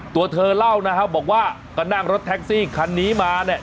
ตัวเธอเล่านะครับบอกว่าก็นั่งรถแท็กซี่คันนี้มาเนี่ย